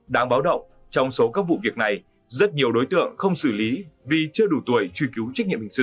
đáng báo động trong số các vụ việc này rất nhiều đối tượng không xử lý vì chưa đủ tuổi truy cứu trách nhiệm hình sự